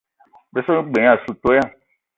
Be so g-beu gne assou toya.